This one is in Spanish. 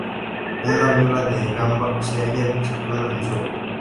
Una viola da gamba se halla situada en el suelo.